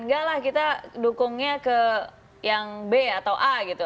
enggak lah kita dukungnya ke yang b atau a gitu